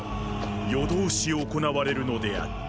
夜通し行われるのであった。